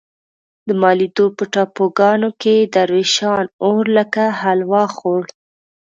د مالدیو په ټاپوګانو کې دروېشان اور لکه حلوا خوړ.